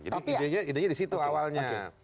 jadi idenya disitu awalnya